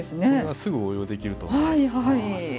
すぐ応用できると思います。